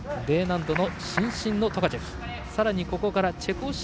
Ｄ難度の伸身のトカチェフ。